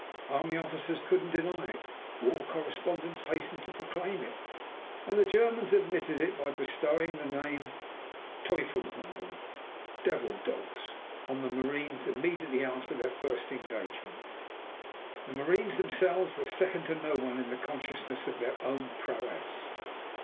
Army officers couldn't deny it, war correspondents hastened to proclaim it, and the Germans admitted it by bestowing the name "Teufel hunden" (devil dogs) on the marines immediately after their first engagement. The marines themselves were second to no one in the consciousness of their own prowess.